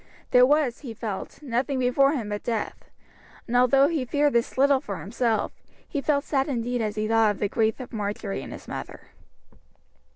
There was, he felt, nothing before him but death; and although he feared this little for himself, he felt sad indeed as he thought of the grief of Marjory and his mother.